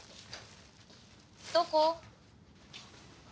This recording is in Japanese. どこ？